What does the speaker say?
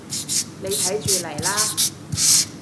你睇住嚟啦